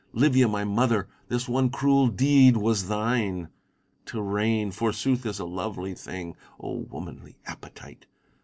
Livia, my mother, this one cruel deed was thine ! To reign, forsooth, is a lovely thing. O womanly appetite